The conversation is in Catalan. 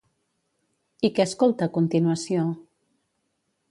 I què escolta a continuació?